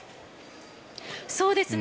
そうですね。